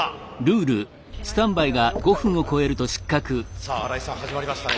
さあ新井さん始まりましたね